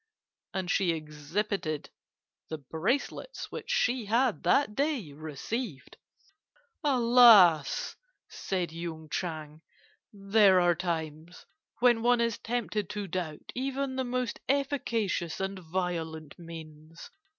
And she exhibited the bracelets which she had that day received. "'Alas!' said Yung Chang, 'there are times when one is tempted to doubt even the most efficacious and violent means.